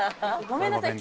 ごめんなさい